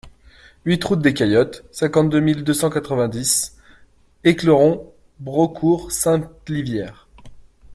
huit route des Caillottes, cinquante-deux mille deux cent quatre-vingt-dix Éclaron-Braucourt-Sainte-Livière